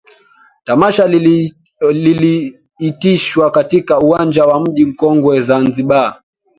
Tamasha liliitishwa katika uwanja wa Mji Mkongwe Zanzibar